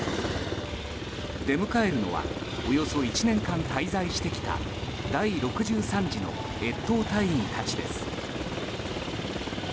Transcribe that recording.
出迎えるのはおよそ１年間滞在してきた第６３次の越冬隊員たちです。